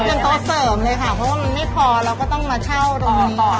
เป็นโต๊ะเสริมเลยค่ะเพราะว่ามันไม่พอเราก็ต้องมาเช่าตรงนี้ก่อน